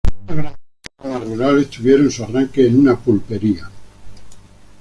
Muchas grandes fortunas rurales tuvieron su arranque en una pulpería.